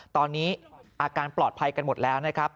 ตอนนี้อาการปลอดภัยกันหมดแล้วนะครับ